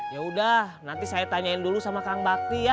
yaudah nanti saya tanyain dulu sama kang bakti ya